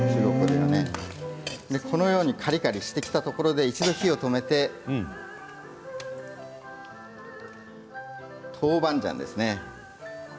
カリカリしてるところで一度火を止めて、豆板醤ですね。